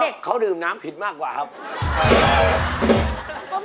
เพราะว่าเขาดื่มน้ำผิดมากกว่าครับ